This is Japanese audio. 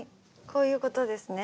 こういうことですね。